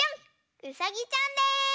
うさぎちゃんです！